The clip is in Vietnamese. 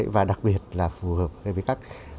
và đặc biệt là phù hợp với các